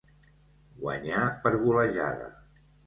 Guanyar per golejada.